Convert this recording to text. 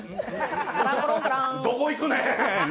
どこ行くねん。